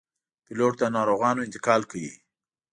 پیلوټ د ناروغانو انتقال کوي.